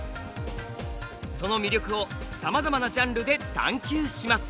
その魅力をさまざまなジャンルで探究します。